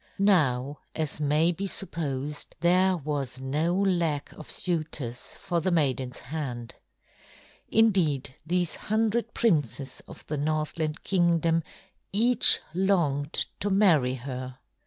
Now, as may be supposed, there was no lack of suitors for the maiden's hand. Indeed these hundred princes of the Northland Kingdom each longed to marry her.